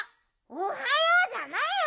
おはようじゃないよ